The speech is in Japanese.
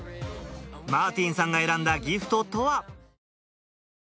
マーティンさんが選んだギフトとは？